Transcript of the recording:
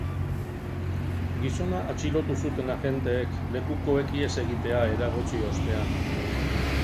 Gizona atxilotu zuten agenteek, lekukoek ihes egitea eragotzi ostean.